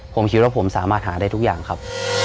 ผมคิดว่าผมสามารถหาได้ทุกอย่างครับ